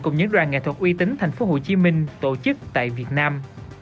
cùng những đoàn nghệ thuật uy tín thành phố hồ chí minh tổ chức tại việt nam